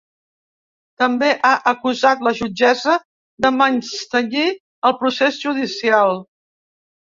També ha acusat la jutgessa de menystenir el procés judicial.